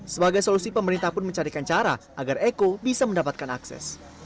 sebagai solusi pemerintah pun mencarikan cara agar eko bisa mendapatkan akses